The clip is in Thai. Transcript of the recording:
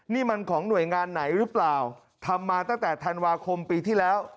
นี่มันของหน่วยงานไหนหรือเปล่าทำมาตั้งแต่ธันวาคมปีที่แล้ว